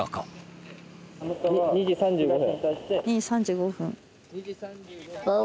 ２時３５分。